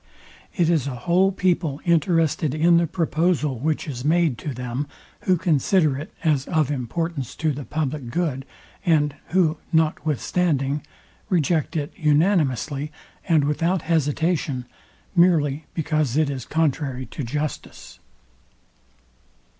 It is a whole people interested in the proposal which is made to them, who consider it as of importance to the public good, and who notwithstanding reject it unanimously, and without hesitation, merely because it is contrary to justice."